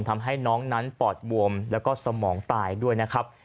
ทำให้น้องนั้นปอดบวมแล้วก็สมองตายด้วยนะครับ